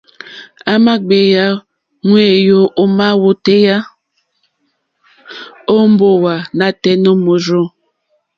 À mà gbèyá ŋwèyò ómá wótéyá ó mbówà nátɛ̀ɛ̀ nǒ mòrzô.